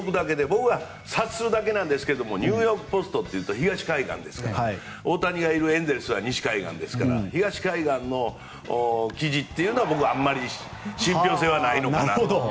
僕は察するだけですがニューヨーク・ポストというと東海岸ですから大谷がいるエンゼルスは西海岸ですから東海岸の記事というのは僕はあまり信ぴょう性はないのかなと。